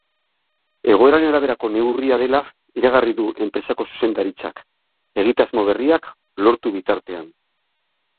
Egoeraren araberako neurria dela iragarri du enpresako zuzendaritzak, egitasmo berriak lortu bitartean.